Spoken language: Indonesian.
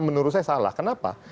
menurut saya salah kenapa